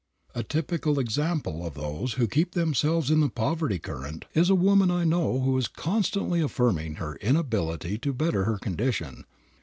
A typical example of those who keep themselves in the poverty current is a woman I know who is constantly affirming her inability to better her condition.